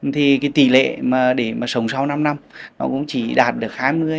thì cái tỷ lệ mà để mà sống sau năm năm nó cũng chỉ đạt được hai mươi